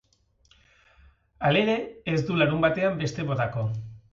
Halere, ez du larunbatean beste botako.